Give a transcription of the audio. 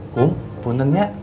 bung punten ya